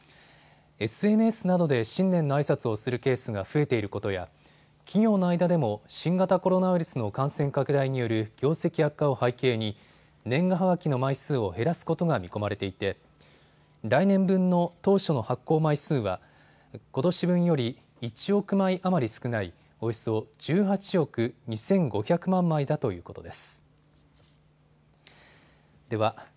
ＳＮＳなどで新年のあいさつをするケースが増えていることや企業の間でも新型コロナウイルスの感染拡大による業績悪化を背景に年賀はがきの枚数を減らすことが見込まれていて来年分の当初の発行枚数はことし分より１億枚余り少ないおよそ１８億２５００万枚だということです。